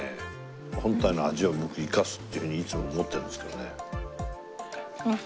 本体の味を生かすっていうふうにいつも思ってるんですけどね。